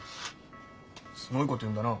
すごいこと言うんだな。